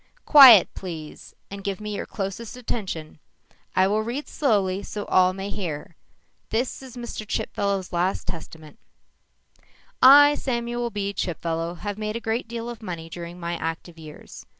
"Quiet, please, and give me your closest attention. I will read slowly so all may hear. This is Mr. Chipfellow's last testament: "_I, Samuel B. Chipfellow, have made a great deal of money during my active years.